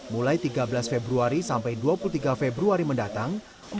mulai tiga belas februari sampai dua puluh tiga februari mendatang